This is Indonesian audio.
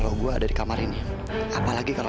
prabu wijaya mengambil amira